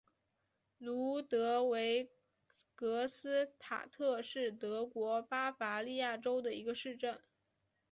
卢德维格斯塔特是德国巴伐利亚州的一个市镇。